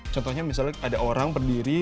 contohnya misalnya ada orang berdiri